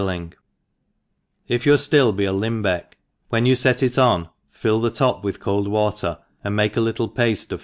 LiM«« IF your flill be a limbeck^ when you &t It oa fill the top with cold water, and make a lit tle pafte of.